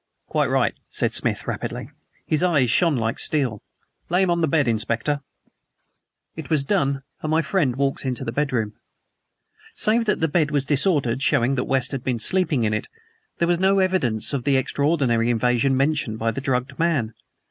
"Quite right," said Smith rapidly. His eyes shone like steel. "Lay him on the bed, Inspector." It was done, and my friend walked into the bedroom. Save that the bed was disordered, showing that West had been sleeping in it, there were no evidences of the extraordinary invasion mentioned by the drugged man.